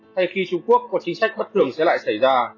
hay khi trung quốc có chính sách bất thường sẽ lại xảy ra